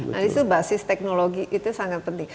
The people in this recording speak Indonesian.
nah itu basis teknologi itu sangat penting